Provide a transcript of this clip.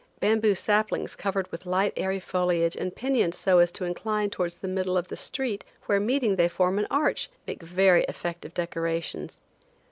Bamboo saplings covered with light airy foliage and pinioned so as to incline towards the middle of the street, where meeting they form an arch, make very effective decorations.